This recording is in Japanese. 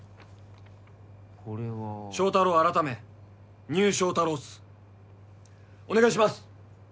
これは祥太郎改めニュー祥太郎っすお願いします